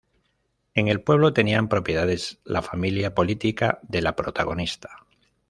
En el pueblo, tenían propiedades la familia política de la protagonista.